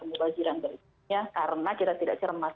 dari dunia karena kita tidak cermat